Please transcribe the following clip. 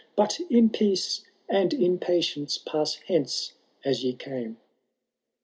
But in peace and in patience pass hence as ye came/* V.